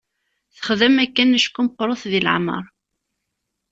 Texdem akken acku meqqret deg leɛmer.